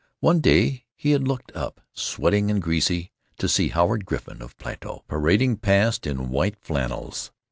One day he had looked up, sweating and greasy, to see Howard Griffin, of Plato, parading past in white flannels.